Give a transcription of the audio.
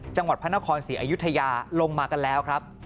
จังหวัดพระนครศรีอยุธยาลงมากันแล้วครับ